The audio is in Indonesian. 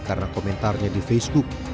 karena komentarnya di facebook